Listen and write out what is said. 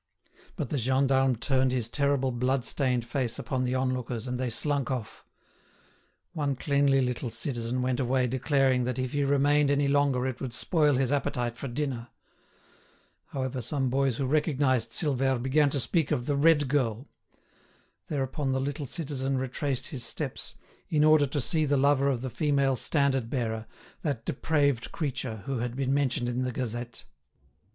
But the gendarme turned his terrible blood stained face upon the onlookers, and they slunk off. One cleanly little citizen went away declaring that if he remained any longer it would spoil his appetite for dinner. However some boys who recognised Silvère, began to speak of "the red girl." Thereupon the little citizen retraced his steps, in order to see the lover of the female standard bearer, that depraved creature who had been mentioned in the "Gazette."